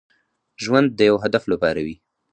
ژوند د يو هدف لپاره وي.